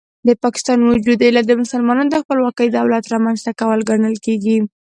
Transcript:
د پاکستان وجود علت د مسلمانانو د خپلواک دولت رامنځته کول ګڼل کېږي.